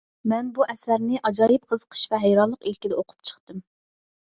مەن بۇ ئەسەرنى ئاجايىپ قىزىقىش ۋە ھەيرانلىق ئىلكىدە ئوقۇپ چىقتىم.